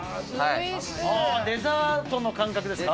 デザートの感覚ですか？